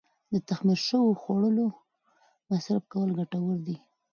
د تخمیر شوو خوړو مصرف کول ګټور دي.